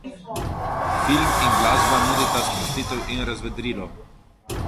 Film in glasba nudita sprostitev in razvedrilo.